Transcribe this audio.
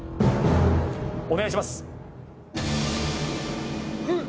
お願いしますん！